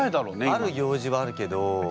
ある行事はあるけど。